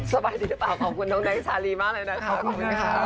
สบายดีรึเปล่าขอบคุณทั้งนักชาลีมากเลยนะคะ